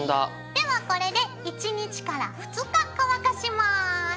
ではこれで１日から２日乾かします。